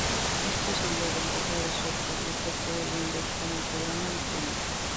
Es posible reemplazar el "shell" por defecto de Windows con un programa diferente.